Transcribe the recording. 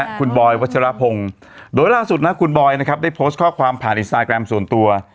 สามีคุณบอยวัชรพงศ์โดยล่าสุดคุณบอยได้โพสต์ข้อความผ่านอินสไตรกรัมส่วนตัว